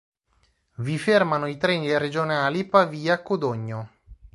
Vi fermano i treni regionali Pavia–Codogno.